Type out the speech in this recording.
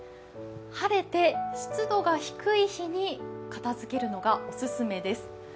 晴れて湿度が低い日に片づけるのがお勧めです。